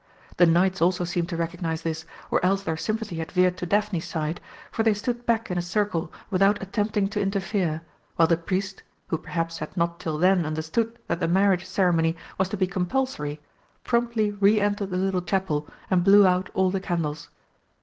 The knights also seemed to recognise this, or else their sympathy had veered to Daphne's side, for they stood back in a circle without attempting to interfere, while the priest, who perhaps had not till then understood that the marriage ceremony was to be compulsory, promptly re entered the little Chapel and blew out all the candles.